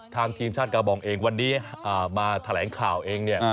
ทีมชาติกาบองเองวันนี้มาแถลงข่าวเองเนี่ย